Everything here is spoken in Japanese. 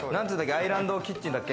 アイランドキッチンだっけ？